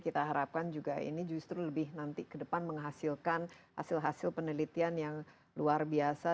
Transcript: kita harapkan juga ini justru lebih nanti ke depan menghasilkan hasil hasil penelitian yang luar biasa